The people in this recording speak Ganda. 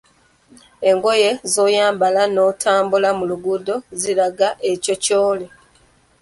Engoye z‘oyambala n‘otambula mu luguudo ziraga ekyo ky‘oli.